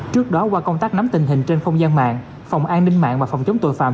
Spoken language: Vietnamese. trước đó qua công tác nắm tình hình trên không gian mạng phòng an ninh mạng và phòng chống tội phạm